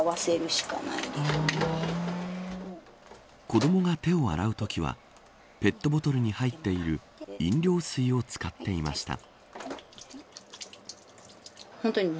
子どもが手を洗うときはペットボトルに入っている飲料水を使っていました。